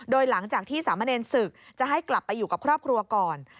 โดยหลังจากที่สามเณรศึกจะให้กลับไปอยู่กับครอบครัวก่อน